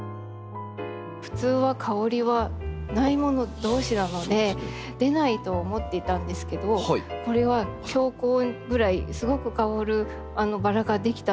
普通は香りはない者同士なので出ないと思っていたんですけどこれは強香ぐらいすごく香るバラが出来たんですね。